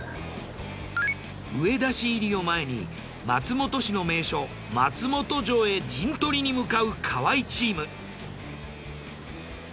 上田市入りを前に松本市の名所松本城へ陣取りに向かう河合チーム。